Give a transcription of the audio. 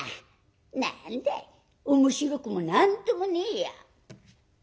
何だい面白くも何ともねえや」。